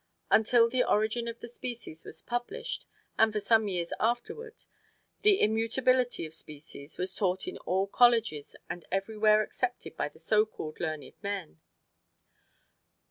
Until "The Origin of Species" was published, and for some years afterward, the Immutability of Species was taught in all colleges, and everywhere accepted by the so called learned men.